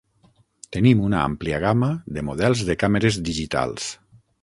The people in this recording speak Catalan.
Tenim una àmplia gamma de models de càmeres digitals.